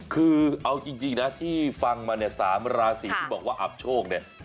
คือเอาจริงนะที่ฟังมาเนี่ย๓ราศีที่บอกว่าอับโชคเนี่ย